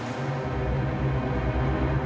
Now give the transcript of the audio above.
gak ada lagi